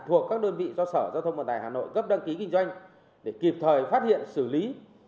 thuộc các đơn vị do sở giao thông vận tải hà nội cấp đăng ký kinh doanh để kịp thời phát hiện xử lý